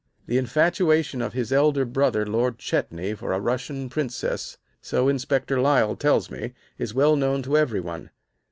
"The infatuation of his elder brother, Lord Chetney, for a Russian princess, so Inspector Lyle tells me, is well known to every one.